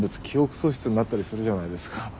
記憶喪失になったりするじゃないですか。